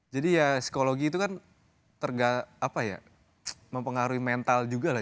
jadi ya psikologi itu kan tergala apa ya mempengaruhi mental juga lah